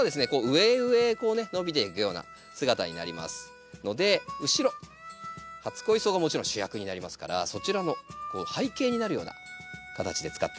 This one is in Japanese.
上へ上へこうね伸びていくような姿になりますので後ろ初恋草がもちろん主役になりますからそちらの背景になるような形で使っていきたいと思います。